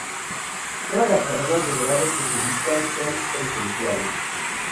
Todas las carreras de grado que se dictan son presenciales.